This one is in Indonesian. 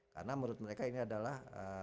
karena menurut mereka ini adalah